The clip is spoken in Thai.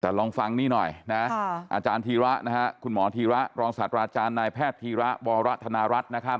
แต่ลองฟังนี่หน่อยนะอาจารย์ธีระนะฮะคุณหมอธีระรองศาสตราอาจารย์นายแพทย์ธีระวรธนรัฐนะครับ